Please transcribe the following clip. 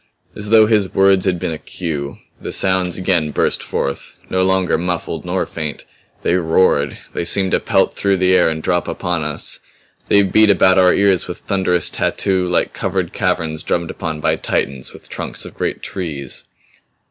As though his words had been a cue, the sounds again burst forth no longer muffled nor faint. They roared; they seemed to pelt through air and drop upon us; they beat about our ears with thunderous tattoo like covered caverns drummed upon by Titans with trunks of great trees.